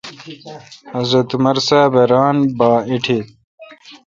حضرت عمر صاب ا ران با ایٹیت